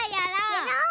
やろう！